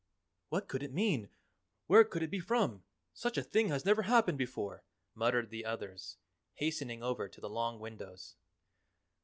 "What could it mean? Where could it be from? Such a thing has never happened before!" muttered the others, hastening over to the long windows.